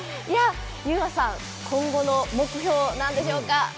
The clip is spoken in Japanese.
結愛さん、今後の目標、何でしょうか？